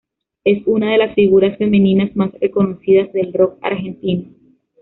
Es una de las figuras femeninas más reconocidas del rock argentino.